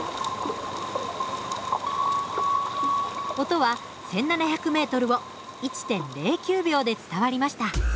音は１，７００ｍを１．０９秒で伝わりました。